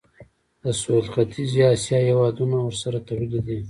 د سویل ختیځې اسیا هیوادونه ورسره تړلي دي.